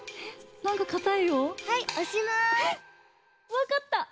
わかった！